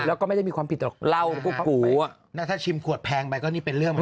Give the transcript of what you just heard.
แล้วก็ไม่ได้มีความผิดหรอกเล่ากูกูอ่ะถ้าชิมขวดแพงไปก็นี่เป็นเรื่อง